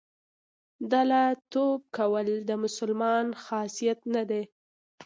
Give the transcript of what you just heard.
دله توب کول د مسلمان خاصیت نه دی.